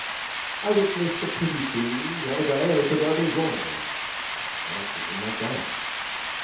"I witnessed a pretty scene the other day in a suburban drawing room...." It might begin like that.